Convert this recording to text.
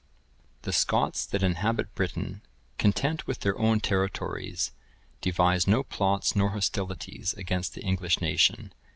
The Scots(1028) that inhabit Britain, content with their own territories, devise no plots nor hostilities against the English nation.